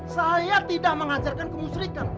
saya tidak mengajarkan kemusrikan